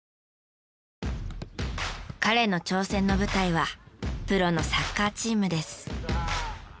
彼の挑戦の舞台はプロのサッカーチームです。